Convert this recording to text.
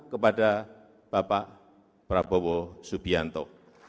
kepada bapak prabowo subianto